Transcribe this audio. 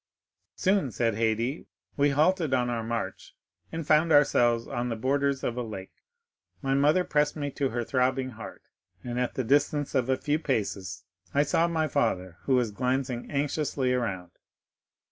"Soon," said Haydée, "we halted on our march, and found ourselves on the borders of a lake. My mother pressed me to her throbbing heart, and at the distance of a few paces I saw my father, who was glancing anxiously around.